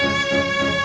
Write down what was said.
ya udah mbak